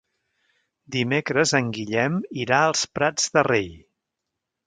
Dimecres en Guillem irà als Prats de Rei.